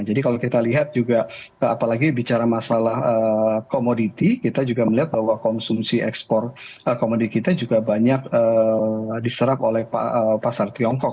jadi kalau kita lihat juga apalagi bicara masalah komoditi kita juga melihat bahwa konsumsi ekspor komoditi kita juga banyak diserap oleh pasar tiongkok